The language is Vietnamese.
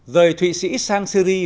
rời thụy sĩ sang syria